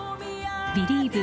「ビリーヴ！